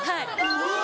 うわ！